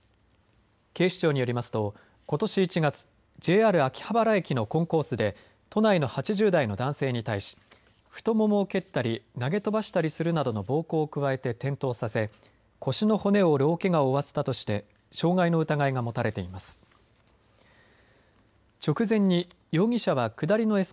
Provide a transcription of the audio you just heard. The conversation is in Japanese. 警視庁によりますとことし１月ＪＲ秋葉原駅のコンコースで都内の８０代の男性に対し太ももを蹴ったり投げ飛ばしたりするなどの暴行を加えて転倒させ腰の骨を折る大けがを負わせたとして傷害の疑いがもたれています。